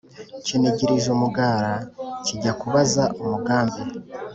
Kinigirije umugara kijya kubaza umugambi